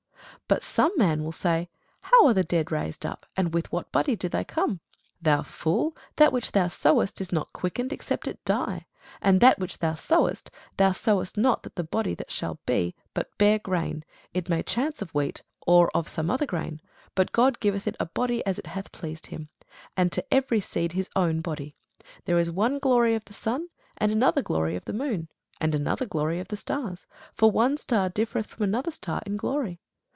But some man will say, How are the dead raised up? and with what body do they come? Thou fool, that which thou sowest is not quickened, except it die: and that which thou sowest, thou sowest not that body that shall be, but bare grain, it may chance of wheat, or of some other grain: but God giveth it a body as it hath pleased him, and to every seed his own body. There is one glory of the sun, and another glory of the moon, and another glory of the stars: for one star differeth from another star in glory.